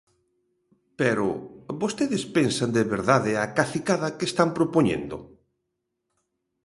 Pero ¿vostedes pensan de verdade a cacicada que están propoñendo?